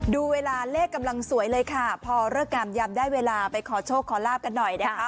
ดูเวลาเลขกำลังสวยเลยค่ะพอเลิกงามยำได้เวลาไปขอโชคขอลาบกันหน่อยนะคะ